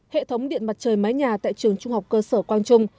hệ thống điện mặt trời mái nhà tại trường trung học cơ sở quang trung